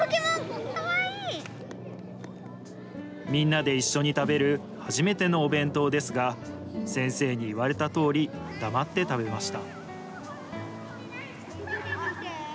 みんなで一緒に食べる初めてのお弁当ですが、先生に言われたとおり、黙って食べました。